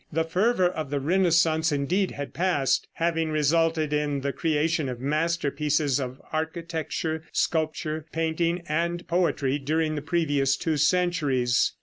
The fervor of the Renaissance indeed had passed, having resulted in the creation of masterpieces of architecture, sculpture, painting and poetry during the previous two centuries.